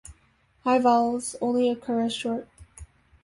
High vowels only occur as short.